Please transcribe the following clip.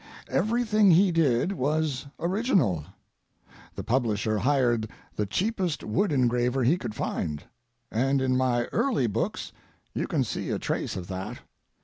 Everything he did was original. The publisher hired the cheapest wood engraver he could find, and in my early books you can see a trace of that.